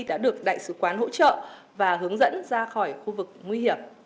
đã được đại sứ quán hỗ trợ và hướng dẫn ra khỏi khu vực nguy hiểm